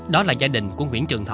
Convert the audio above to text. đó là gia đình của nguyễn trường thọ